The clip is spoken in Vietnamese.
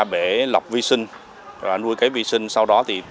bể lọc vi sinh